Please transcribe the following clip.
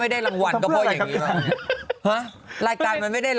ไม่ผมกำลังจะหาข่าวให้นะฮะ